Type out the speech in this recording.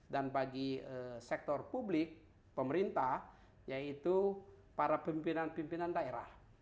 dan bagi sektor publik pemerintah yaitu para pimpinan pimpinan daerah